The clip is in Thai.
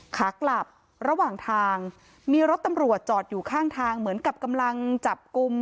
ขากลับระหว่างทางมีรถตำรวจจอดอยู่ข้างทางเหมือนกับกำลังจับกลุ่ม